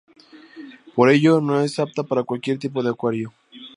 Por ello, no es apta para cualquier tipo de acuario.